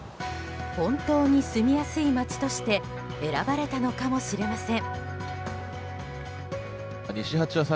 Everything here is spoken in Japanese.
本当に住みやすい街として選ばれたのかもしれません。